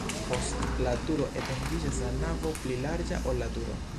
Post la turo etendiĝas la navo pli larĝa, ol la turo.